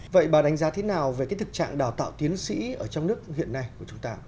vậy bà đánh giá thế nào về cái thực trạng đào tạo tiến sĩ ở trong nước hiện nay của chúng ta